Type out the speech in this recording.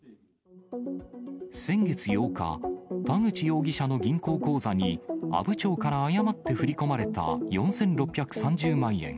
先月８日、田口容疑者の銀行口座に、阿武町から誤って振り込まれた４６３０万円。